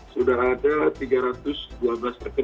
sudah ada tiga ratus dua belas terkenal